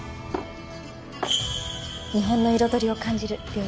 日本の彩りを感じる料理です。